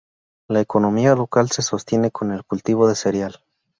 La economía local se sostiene con el cultivo de cereal.